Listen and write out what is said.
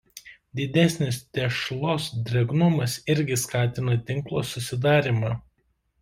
Didesnis tešlos drėgnumas irgi skatina tinklo susidarymą.